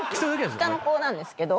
下の子なんですけど。